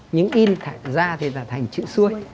những in ra thì là thành chữ xuôi